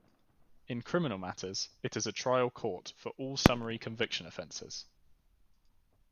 In criminal matters, it is a trial court for all summary conviction offences.